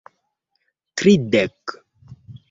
tridek